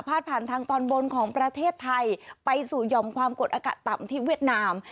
ผ่านทางตอนบนของประเทศไทยไปสู่หย่อมความกดอากาศต่ำที่เวียดนาม